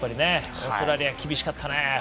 オーストラリアは厳しかったね。